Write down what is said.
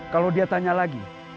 kalo dia tanya lagi